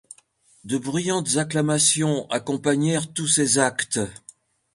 De bruyantes acclamations accompagnèrent tous ces actes.